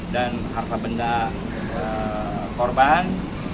dan harta benda korban